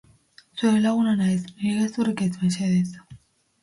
Zure laguna naiz, niri gezurrik ez, mesedez.